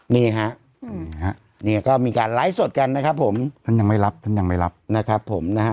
นี่ฮะเนี่ยก็มีการไลฟ์สดกันนะครับผมท่านยังไม่รับท่านยังไม่รับนะครับผมนะฮะ